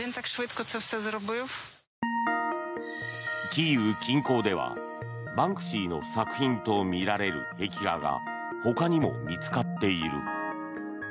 キーウ近郊ではバンクシーの作品とみられる壁画がほかにも見つかっている。